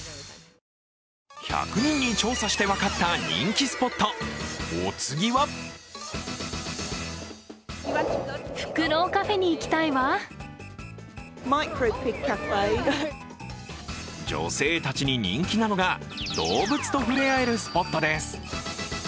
１００人に調査して分かった人気スポット、お次は女性たちに人気なのが動物と触れ合えるスポットです。